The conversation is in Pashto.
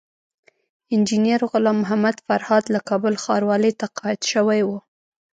انجينر غلام محمد فرهاد له کابل ښاروالۍ تقاعد شوی وو